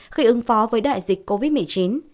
khi ứng phó với đại dịch covid một mươi chín